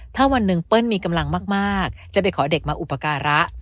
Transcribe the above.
ถ้าวันหนึ่งเปิ้ลมีกำลังมากจะไปขอเด็กมาอุปการะ